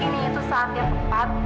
ini itu saatnya tempat